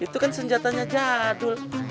itu kan senjatanya jadul